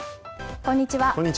こんにちは。